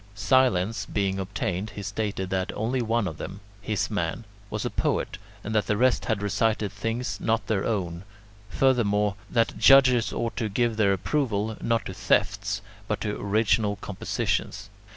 Silence being obtained, he stated that only one of them his man was a poet, and that the rest had recited things not their own; furthermore, that judges ought to give their approval, not to thefts, but to original compositions.